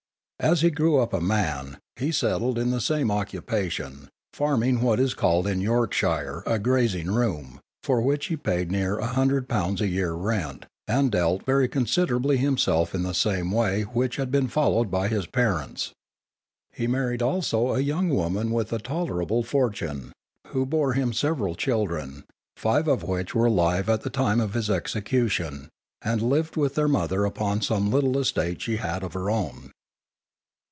As he grew up a man, he settled in the same occupation, farming what is called in Yorkshire a grazing room, for which he paid near a hundred pounds a year rent, and dealt very considerably himself in the same way which had been followed by his parents. He married also a young woman with a tolerable fortune, who bore him several children, five of which were alive at the time of his execution, and lived with their mother upon some little estate she had of her own.